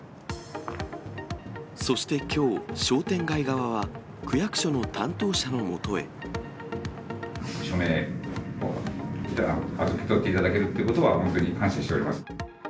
そしてきょう、商店街側は、区役所の担当者のもとへ。署名を受け取っていただけるということは、本当に感謝しております。